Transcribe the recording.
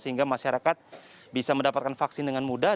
sehingga masyarakat bisa mendapatkan vaksin dengan mudah